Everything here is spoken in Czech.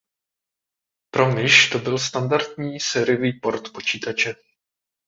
Pro myš to byl standardní sériový port počítače.